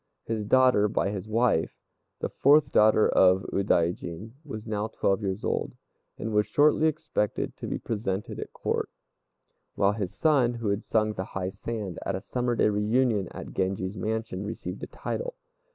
His daughter by his wife, the fourth daughter of Udaijin, was now twelve years old, and was shortly expected to be presented at Court; while his son, who had sung the "high sand" at a summer day reunion at Genji's mansion, received a title.